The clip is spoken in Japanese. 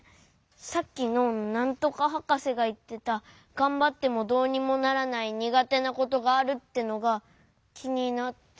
さっきのなんとかはかせがいってた「がんばってもどうにもならないにがてなことがある」ってのがきになって。